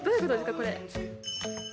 これ。